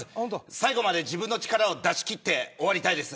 最後まで自分の力を出し切って終わりたいです。